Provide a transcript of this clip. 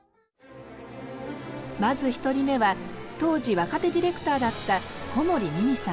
まず１人目は当時若手ディレクターだった小森美巳さん。